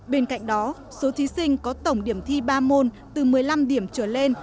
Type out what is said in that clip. bên cạnh đó số thí sinh có tổng điểm thi ba môn từ một mươi năm điểm trở lên